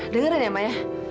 dengar ini maya